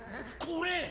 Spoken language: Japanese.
これ。